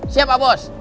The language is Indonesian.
siap pak bos